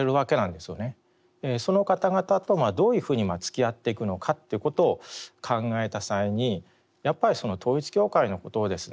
その方々とどういうふうにつきあっていくのかっていうことを考えた際にやっぱり統一教会のことをですね